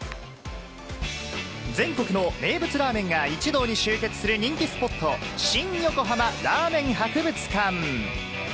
全国の名物ラーメンが一堂に集結する人気スポット・新横浜ラーメン博物館。